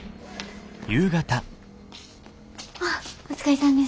あお疲れさんです。